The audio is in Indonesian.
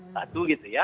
satu gitu ya